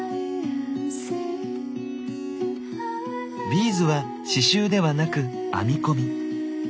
ビーズは刺しゅうではなく「編み込み」。